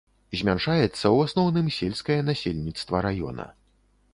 Змяншаецца ў асноўным сельскае насельніцтва раёна.